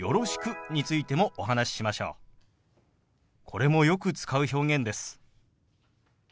これもよく使う表現です。